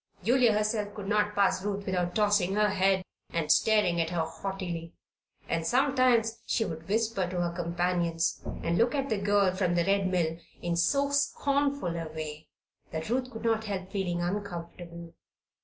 Julia herself could not pass Ruth without tossing her head and staring at her haughtily; and sometimes she would whisper to her companions and look at the girl from the Red Mill in so scornful a way that Ruth could not help feeling uncomfortable.